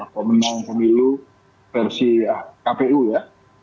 pemenang pemilu versi kpu ya